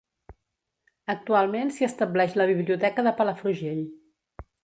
Actualment s'hi estableix la Biblioteca de Palafrugell.